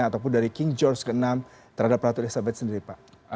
ataupun dari king charles ke enam terhadap ratu elizabeth sendiri pak